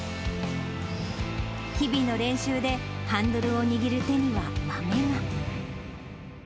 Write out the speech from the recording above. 日々の練習でハンドルを握る手には豆が。